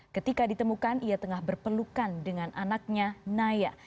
ketika ditemukan ia tengah berpelukan dengan anaknya naya